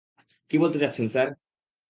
কী বলতে চাচ্ছেন, স্যার?